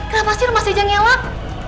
kenapa sih lo masih aja ngelak